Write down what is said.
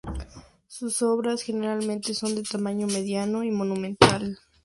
Sus obras generalmente son de tamaño mediano y monumental.